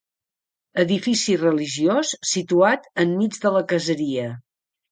Edifici religiós situat enmig de la caseria.